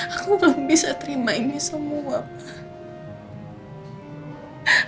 aku belum bisa terima ini semua pak